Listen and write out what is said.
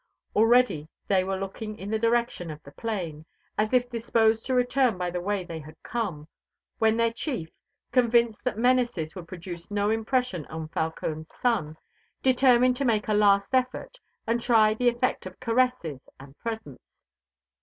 Already they were looking in the direction of the plain, as if disposed to return by the way they had come, when their chief, convinced that menaces would produce no impression on Falcone's son, determined to make a last effort, and try the effect of caresses and presents.